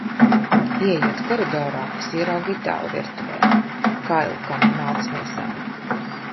Ieejot koridorā, es ieraugu itāli virtuvē, kailu kā no mātes miesām.